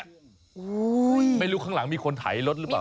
โอ้โฮไม่รู้ข้างหลังมีคนไถรถรึเปล่า